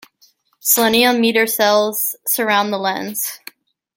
Selenium meter cells surround the lens.